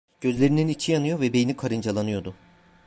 Gözlerinin içi yanıyor ve beyni karıncalanıyordu.